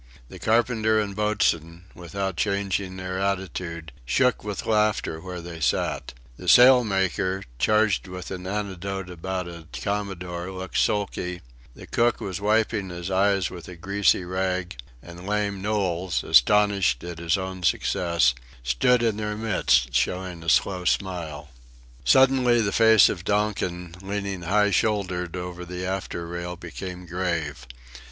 The carpenter and the boatswain, without changing their attitude, shook with laughter where they sat; the sailmaker, charged with an anecdote about a Commodore, looked sulky; the cook was wiping his eyes with a greasy rag; and lame Knowles, astonished at his own success, stood in their midst showing a slow smile. Suddenly the face of Donkin leaning high shouldered over the after rail became grave.